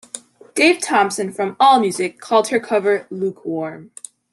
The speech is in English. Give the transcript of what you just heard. Dave Thompson from AllMusic called her cover "lukewarm".